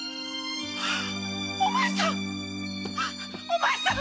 お前さん！